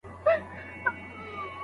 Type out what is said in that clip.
شاګرد د عملي کارونو په ارزښت پوهېږي.